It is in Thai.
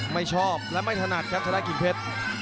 ไม่ชอบและไม่ถนัดครับชนะกิ่งเพชร